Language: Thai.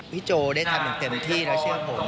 โจได้ทำอย่างเต็มที่แล้วเชื่อผม